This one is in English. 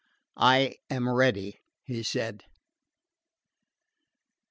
"I am ready," he said.